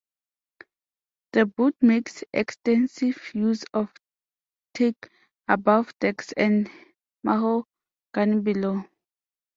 The boat makes extensive use of teak above decks and mahogany below.